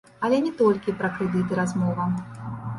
Але не толькі пра крэдыты размова.